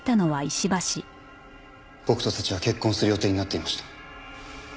僕と早智は結婚する予定になっていました。